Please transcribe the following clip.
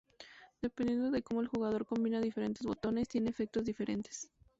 Dependiendo de cómo el jugador combina diferentes botones, tiene efectos diferentes.